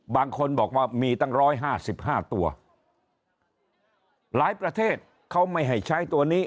บางคนบอกว่ามีตั้ง๑๕๕ตัวหลายประเทศเขาไม่ให้ใช้ตัวนี้